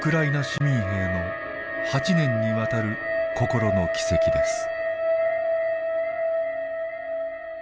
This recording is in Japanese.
市民兵の８年にわたる心の軌跡です。